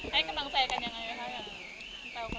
ให้กำลังใจกันยังไงไหมคะ